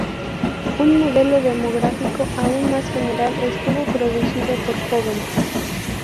Un modelo demográfico aún más general estuvo producido por Joven.